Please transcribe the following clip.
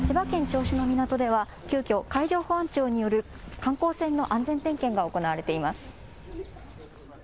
銚子の港では急きょ、海上保安庁による観光船の安全点検が行われています。